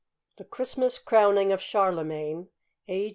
THE CHRISTMAS CROWNING OF CHARLEMAGNE, A.